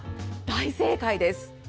大正解です。